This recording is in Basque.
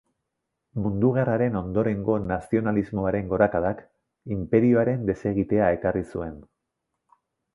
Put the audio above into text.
Mundu Gerraren ondorengo nazionalismoaren gorakadak, inperioaren desegitea ekarri zuen.